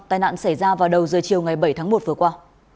tai nạn xảy ra vào đầu giờ chiều ngày bảy tháng một vừa qua